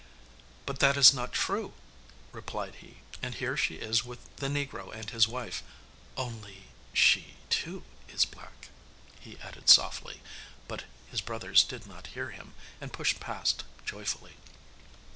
'But that was not true,' replied he, 'and here she is with the negro and his wife. Only she too is black,' he added softly, but his brothers did not hear him, and pushed past joyfully.